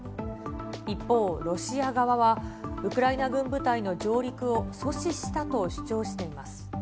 一方、ロシア側は、ウクライナ軍部隊の上陸を阻止したと主張しています。